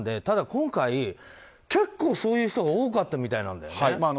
ただ今回、結構、そういう人が多かったみたいなんだよね。